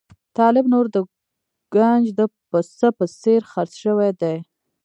طالب نور د ګنج د پسه په څېر خرڅ شوی دی.